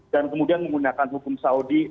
dan kemudian menggunakan hukum saudi